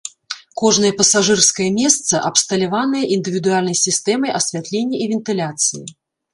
Кожнае пасажырскае месца абсталяванае індывідуальнай сістэмай асвятлення і вентыляцыі.